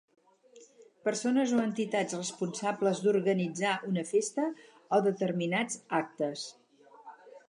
Persones o entitats responsables d'organitzar una festa o determinats actes.